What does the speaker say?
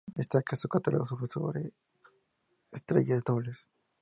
Destaca su catálogo sobre estrellas dobles.